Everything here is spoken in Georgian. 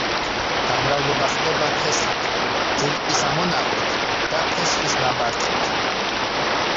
გამრავლება ხდება თესლით, ძირკვის ამონაყრით და ფესვის ნაბარტყით.